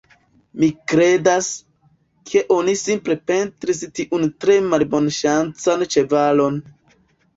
Mi kredas, ke oni simple pentris tiun tre malbonŝancan ĉevalon